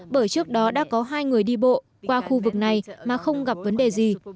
bởi trước đó đã có hai người đi bộ qua khu vực này mà không gặp vấn đề gì